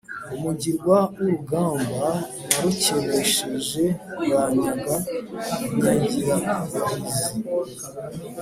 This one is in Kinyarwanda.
umugirwa w'urugamba narukenesheje banyaga inyagirabahizi.